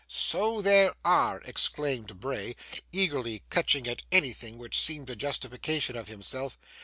'So there are!' exclaimed Bray, eagerly catching at anything which seemed a justification of himself.